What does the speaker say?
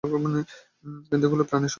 কিন্তু এগুলো প্রাণির শব্দ মনে হচ্ছেনা।